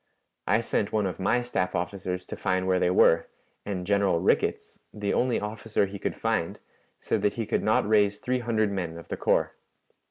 I sent one of my staff officers to find where they were, and General Rickets, the only officer he could find, said that he could not raise three hundred men of the corps.